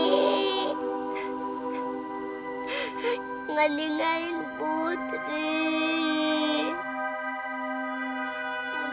hah benarnya bersinar lagi